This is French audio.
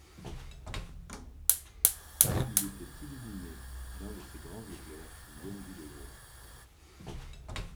Il était illuminé d’un de ces grands éclairs qui viennent du devoir.